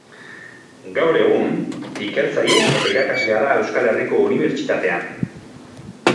Gaur egun, ikertzaile eta irakaslea da Euskal Herriko Unibertsitatean.